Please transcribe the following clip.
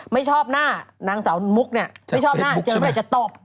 ไม่ชอบหน้านางสาวมุ๊คไม่ชอบหน้าเจอเวลาจะตบ